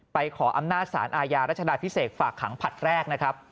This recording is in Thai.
ขออำนาจสารอาญารัชดาพิเศษฝากขังผลัดแรกนะครับ